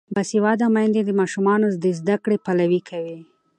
باسواده میندې د ماشومانو د زده کړې پلوي کوي.